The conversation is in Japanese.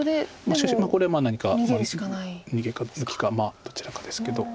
しかしこれは何か逃げか抜きかどちらかですけど。